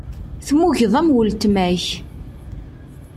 Tmugeḍ am weltma-k.